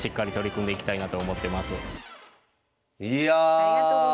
ありがとうございます。